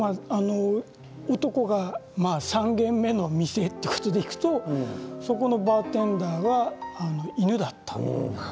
男が３軒目の店に行くとそこのバーテンダーが犬だった。